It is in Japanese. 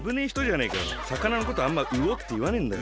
さかなのことあんまうおっていわねえんだよ。